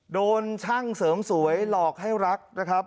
โดนช่างเสริมสวยหลอกให้รักนะครับ